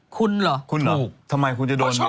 คุณเหรอคุณถูกทำไมคุณจะโดน